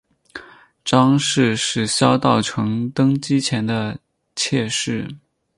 张氏是萧道成登基前的妾室。